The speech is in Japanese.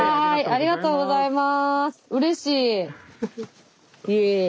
ありがとうございます。